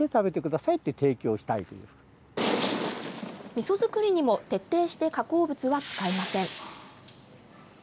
みそ造りにも徹底して加工物は使いません。